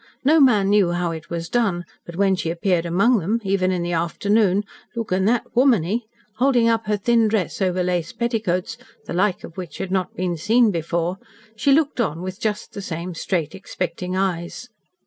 No man knew how it was done, but, when she appeared among them even in the afternoon "lookin' that womany," holding up her thin dress over lace petticoats, the like of which had not been seen before, she looked on with just the same straight, expecting eyes.